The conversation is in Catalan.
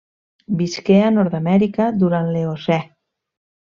Visqué a Nord-amèrica durant l'Eocè.